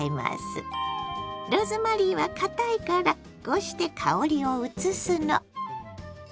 ローズマリーはかたいからこうして香りをうつすの。